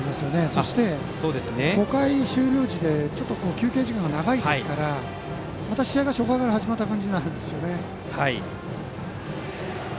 そして、５回終了時休憩時間が長いのでまた試合が初回から始まった感じになるんですよね。